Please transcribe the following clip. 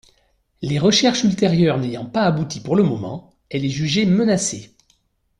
Les recherches ultérieures n'ayant pas abouti pour le moment, elle est jugée menacée.